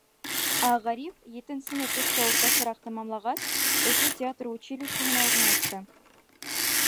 Ә Ғариф, етенсене көскә уртасараҡ тамамлағас, Өфө театр училищеһына урынлашты.